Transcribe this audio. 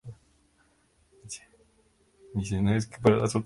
El embalse de Cereceda es el principal reservorio de agua en el valle.